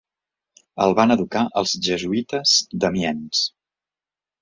El van educar els jesuïtes d'Amiens.